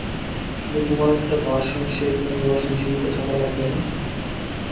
কিন্তু তোমার একটা ভার্সন সে ইউনিভার্সে জীবিত থাকা লাগবে না?